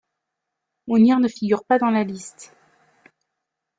Munir ne figure pas dans la liste.